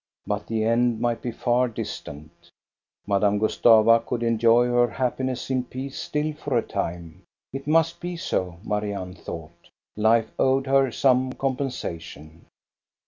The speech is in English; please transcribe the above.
But the end might be far distant Madame Gustava could enjoy her happiness in peace still for a time. It must be so, Marianne thought Life owed her some compensation.